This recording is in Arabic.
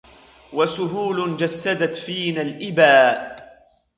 و سهول جسدت فينا الإبا